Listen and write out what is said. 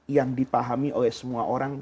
yang dipahami oleh semua orang